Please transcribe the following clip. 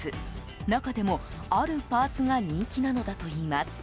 中でも、あるパーツが人気なのだといいます。